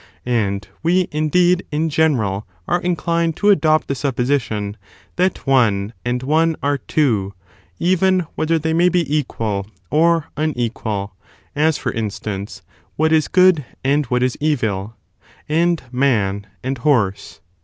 And we, indeed, in general, are inclined to 14 practical adopt the supposition that one and one are two, contradiction even whether they may be equal or unequal; ^^°^ as, for instance, what is good and what is evil, and man and horse.